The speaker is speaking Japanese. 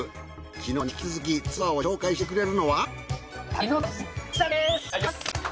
昨日に引き続きツアーを紹介してくれるのは。